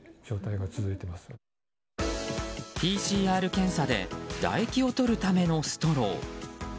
ＰＣＲ検査で唾液をとるためのストロー。